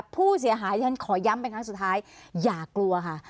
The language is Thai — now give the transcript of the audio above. ผู้เสียหายฉันขอย้ำเป็นครั้งสุดท้ายอย่ากลัวค่ะ